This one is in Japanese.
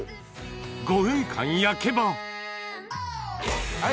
５分間焼けばはい！